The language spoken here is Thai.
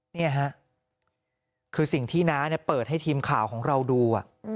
นี่ฮะคือสิ่งที่น้าเปิดให้ทีมข่าวของเราดู